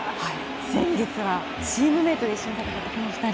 先月はチームメートで一緒だった２人。